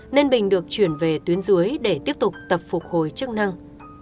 nên bình được chuyển về tuyến dưới để tiếp tục tập phục hồi chức năng